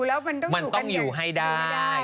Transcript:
เราว่าดูแล้วมันต้องอยู่ให้ได้